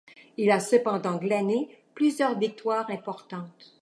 Il a cependant glané plusieurs victoires importantes.